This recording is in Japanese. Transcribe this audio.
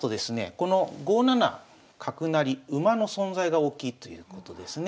この５七角成馬の存在が大きいということですね。